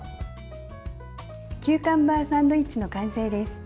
キューカンバーサンドイッチの完成です。